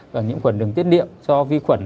và nhiễm khuẩn đường tiết điệm do vi khuẩn